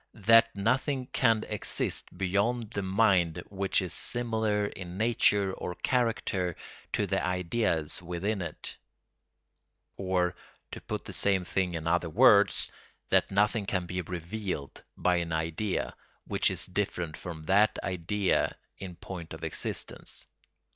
that nothing can exist beyond the mind which is similar in nature or character to the "ideas" within it; or, to put the same thing in other words, that nothing can be revealed by an idea which is different from that idea in point of existence.